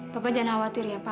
papa jangan khawatir ya pa